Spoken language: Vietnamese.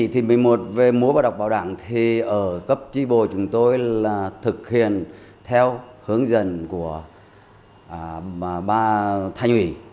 thì một mươi một về mối báo đọc báo đảng thì ở cấp chi bộ chúng tôi là thực hiện theo hướng dẫn của ba thanh ủy